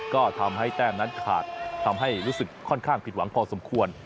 ก็ทำให้แต้มนั้นขาดทำให้รู้สึกค่อนข้างผิดหวังพอสมควร